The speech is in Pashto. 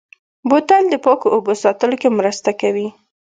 بوتل د پاکو اوبو ساتلو کې مرسته کوي.